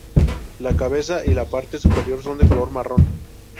La cabeza y la parte superior son de color marrón.